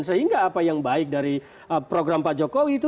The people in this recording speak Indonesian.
dan sehingga apa yang baik dari program pak jokowi itu